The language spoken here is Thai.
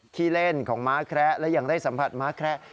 ขี้เล่นของม้าแคระและยังได้สัมผัสม้าแคระ